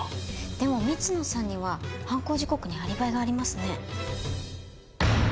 でも光野さんには犯行時刻にアリバイがありますね。